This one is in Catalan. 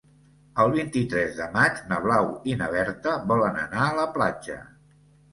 El vint-i-tres de maig na Blau i na Berta volen anar a la platja.